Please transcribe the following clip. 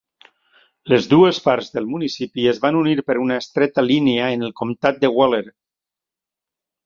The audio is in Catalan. Les dues parts del municipi es van unir per una estreta línia en el comtat de Waller.